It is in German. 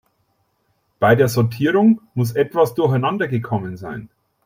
Bei der Sortierung muss etwas durcheinander gekommen sein.